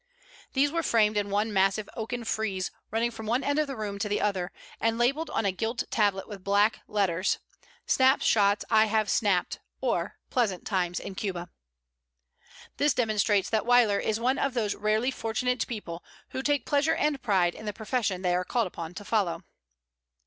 These were framed in one massive oaken frieze running from one end of the room to the other, and labelled on a gilt tablet with black letters, "Snap Shots I Have Snapped, or Pleasant Times in Cuba." This demonstrates that Weyler is one of those rarely fortunate people who take pleasure and pride in the profession they are called upon to follow.